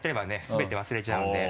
全て忘れちゃうんで。